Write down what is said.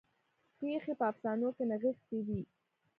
پیښې په افسانو کې نغښتې دي.